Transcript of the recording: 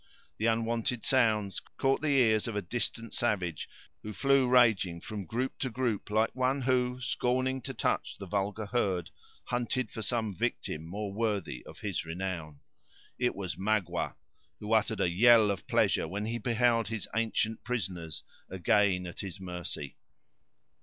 The unwonted sounds caught the ears of a distant savage, who flew raging from group to group, like one who, scorning to touch the vulgar herd, hunted for some victim more worthy of his renown. It was Magua, who uttered a yell of pleasure when he beheld his ancient prisoners again at his mercy.